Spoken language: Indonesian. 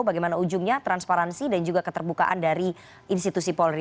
bagaimana ujungnya transparansi dan juga keterbukaan dari institusi polri